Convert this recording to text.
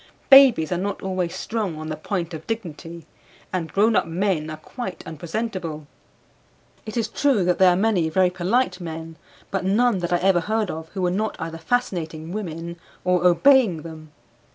Babies are not always strong on the point of dignity, and grown up men are quite unpresentable. It is true that there are many very polite men, but none that I ever heard of who were not either fascinating women or obeying them.